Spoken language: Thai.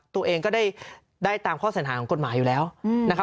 ตัวเองก็ได้ตามข้อสัญหาของกฎหมายอยู่แล้วนะครับ